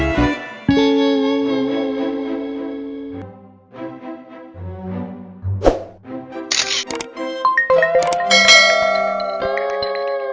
gak bisa diangkat